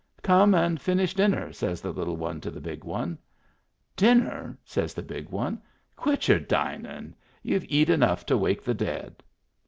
" Come and finish dinner," says the little one to the big one. " Dinner !" says the big one. " Quit your dining. You've eet enough to wake the dead."